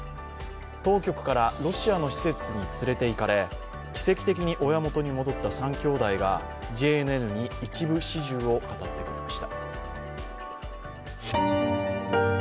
当局からロシアの施設に連れていかれ、奇跡的に親元に戻った３兄弟がＪＮＮに一部始終を語りました。